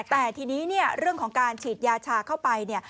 แต่ทีนี้เรื่องของการฉีดยาชาเข้าไป